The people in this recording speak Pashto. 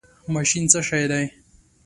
ماشین څه شی دی؟